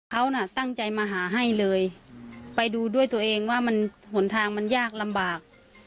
เขาน่ะตั้งใจมาหาให้เลยไปดูด้วยตัวเองว่ามันหนทางมันยากลำบาก